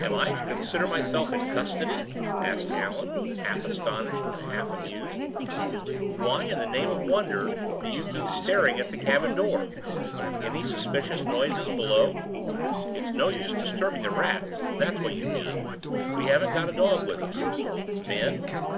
"Am I to consider myself in custody?" asked Allan, half astonished and half amused. "Why in the name of wonder do you keep staring at the cabin door? Any suspicious noises below? It's no use disturbing the rats if that's what you mean we haven't got a dog with us. Men?